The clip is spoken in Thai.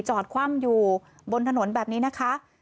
คว่ำอยู่บนถนนแบบนี้นะคะ